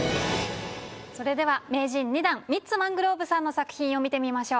それでは名人２段ミッツ・マングローブさんの作品を見てみましょう。